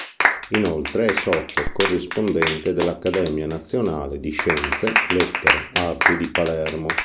Inoltre è socio corrispondente dell’Accademia Nazionale di Scienze, lettere Arti di Palermo.